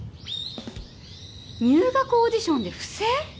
入学オーディションで不正？